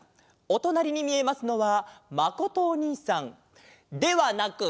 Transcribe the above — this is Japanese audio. おとなりにみえますのはまことおにいさんではなく。